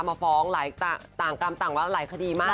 มาฟ้องหลายต่างกรรมต่างหลายคดีมาก